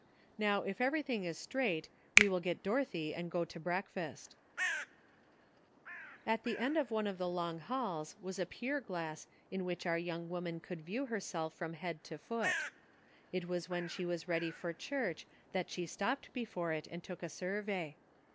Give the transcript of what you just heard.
Now if everything is straight, we will get Dorothy and £fo to breakfast." BORROWED TROUBLE. 237 At the end of one of the long halls was a pier glass in which our young woman could view herself from head to foot. It was when she was ready for church that she stopped be fore it and took a survey.